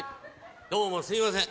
どうもすいません。